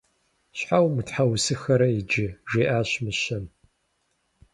Щхьэ умытхьэусыхэрэ иджы? – жиӏащ мыщэм.